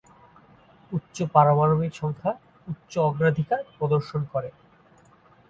উচ্চ পারমাণবিক সংখ্যা উচ্চ অগ্রাধিকার প্রদর্শন করে।